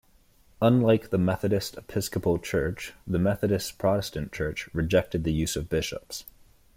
Unlike the Methodist Episcopal Church, the Methodist Protestant Church rejected the use of bishops.